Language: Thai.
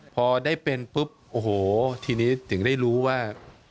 พอได้เป็นปุ๊บโอ้โหทีนี้ถึงได้รู้ว่า